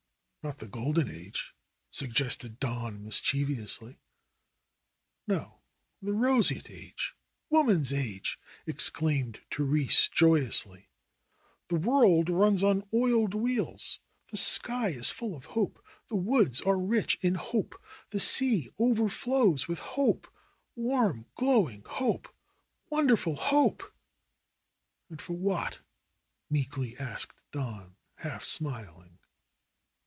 "Not the golden age?" suggested Don mischievously. "No. The Roseate Age, woman's age!" exclaimed Therese joyously. "The world runs on oiled wheels. THE ROSE COLORED WORLD 17 The sky is full of hope, the woods are rich in hope ; the sea overflows with hope — ^warm, glowing hope, wonder ful hope!'' ^^And for what?" meekly asked Don, half smiling.